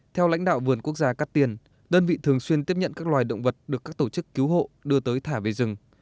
theo lãnh đạo vườn quốc gia cát tiên đơn vị thường xuyên tiếp nhận các loài động vật được các tổ chức cứu hộ đưa tới thả về rừng